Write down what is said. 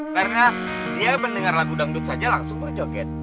karena dia mendengar lagu dangdut saja langsung berjoget